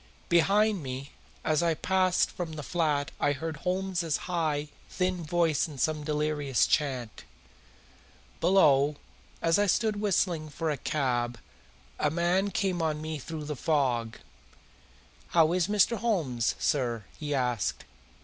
Behind me as I passed from the flat I heard Holmes's high, thin voice in some delirious chant. Below, as I stood whistling for a cab, a man came on me through the fog. "How is Mr. Holmes, sir?" he asked.